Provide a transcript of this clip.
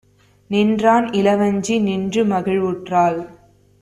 நின்றான். இளவஞ்சி நின்று மகிழ்வுற்றாள்.